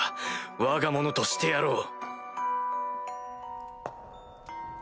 わが物としてやろう！